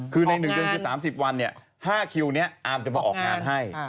คือใน๑เดือนที่๓๐วันเนี่ย๕คิวเนี่ยอาร์มจะมาออกงานให้